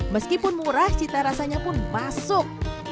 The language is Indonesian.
meskipun murah cita rasanya pun masuk